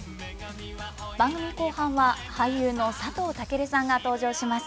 番組後半は、俳優の佐藤健さんが登場します。